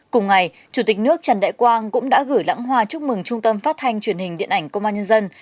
cùng ngày chủ tịch nước trần đại quang cũng đã gửi lãng hoa chúc mừng trung tâm phát thanh truyền hình điện ảnh công an nhân dân